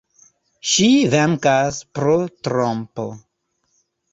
Ŝi venkas pro trompo.